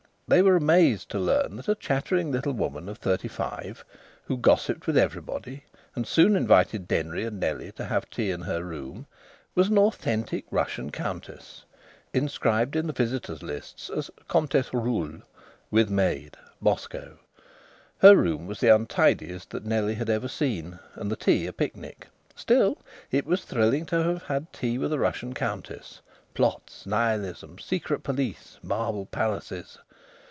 They were amazed to learn that a chattering little woman of thirty five, who gossiped with everybody, and soon invited Denry and Nellie to have tea in her room, was an authentic Russian Countess, inscribed in the visitors' lists as "Comtesse Ruhl (with maid), Moscow." Her room was the untidiest that Nellie had ever seen, and the tea a picnic. Still, it was thrilling to have had tea with a Russian Countess.... (Plots! Nihilism! Secret police! Marble palaces!)....